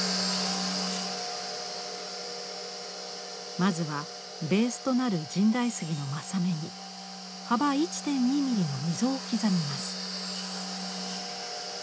まずはベースとなる神代杉の柾目に幅１．２ミリの溝を刻みます。